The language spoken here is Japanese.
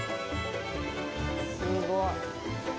すごい。